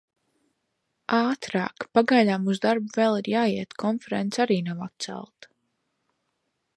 Ātrāk. Pagaidām uz darbu vēl ir jāiet. Konference arī nav atcelta.